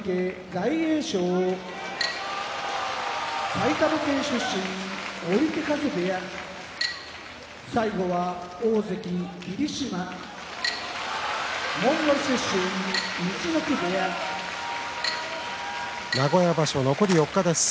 埼玉県出身追手風部屋大関・霧島モンゴル出身陸奥部屋名古屋場所、残り４日です。